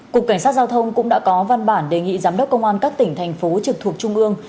cục cảnh sát giao thông cũng đã có văn bản đề nghị giám đốc công an các tỉnh thành phố trực thuộc trung ương